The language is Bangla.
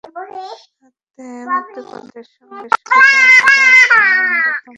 তাতে মুক্তিপণের শর্তের সঙ্গে আছে তার ক্রন্দনরত মায়ের বিবস্ত্র দেহের ফিল্ম।